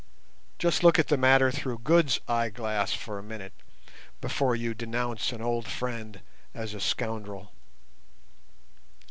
Just look at the matter through Good's eyeglass for a minute before you denounce an old friend as a scoundrel."